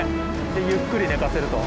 でゆっくり寝かせると。